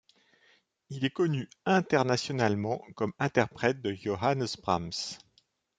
Il est connu internationalement comme interprète de Johannes Brahms.